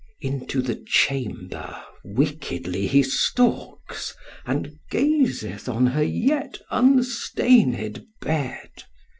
Into the chamber wickedly he stalks, And gazeth on her yet unstained bed.